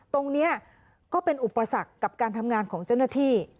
ตรงนี้ก็เป็นอุปสรรคกับการทำงานของเจ้าหน้าที่